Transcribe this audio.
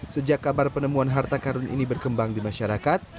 sejak kabar penemuan harta karun ini berkembang di masyarakat